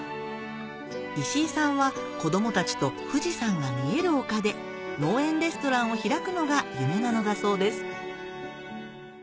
石井さんは子どもたちと富士山が見える丘で農園レストランを開くのが夢なのだそうです